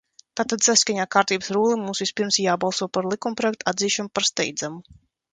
Tātad saskaņā ar Kārtības rulli mums vispirms ir jābalso par likumprojekta atzīšanu par steidzamu.